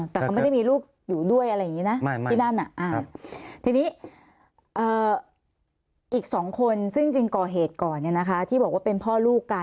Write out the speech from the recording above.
อ๋อแต่เขาไม่ได้มีลูกอยู่ด้วยอะไรอย่างนี้นะ